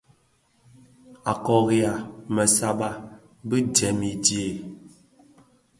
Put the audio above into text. A kôriha më sàbà bi jèm i tsee.